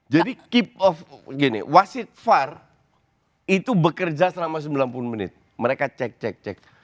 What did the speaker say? jadi keep of gini wasit far itu bekerja selama sembilan puluh menit mereka cek cek cek